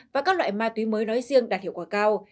và các loại ma túy mới nói riêng đạt hiệu quả cao